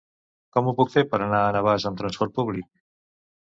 Com ho puc fer per anar a Navàs amb trasport públic?